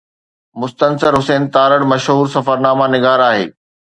مستنصر حسين تارڙ مشهور سفرناما نگار آهي.